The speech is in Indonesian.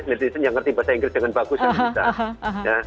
netizen yang ngerti bahasa inggris dengan bagus kan bisa